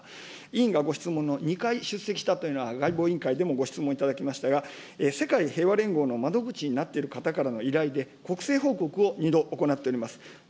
委員がご質問の２回出席したというのは、外交委員会でもご質問いただきましたが、世界平和連合の窓口になっている方からの依頼で、国政報告を２度行っております。